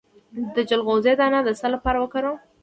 د چلغوزي دانه د څه لپاره وکاروم؟